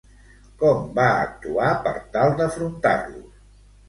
Com va actuar per tal d'afrontar-los?